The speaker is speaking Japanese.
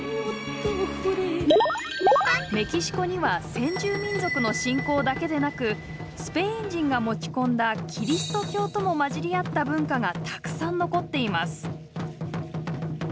メキシコには先住民族の信仰だけでなくスペイン人が持ち込んだキリスト教ともまじり合った文化がたくさん残っています。